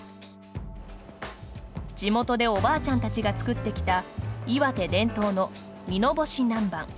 地元でおばあちゃんたちが作ってきた岩手伝統の、みのぼし南蛮。